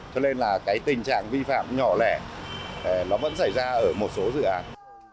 cho nên là cái tình trạng vi phạm nhỏ lẻ nó vẫn xảy ra ở một số dự án